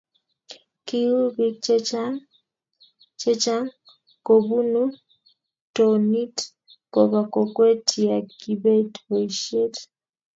kiuu biik che chang' kobunu townit koba kokwet ya kiibet boisiet